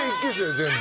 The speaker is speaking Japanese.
全部。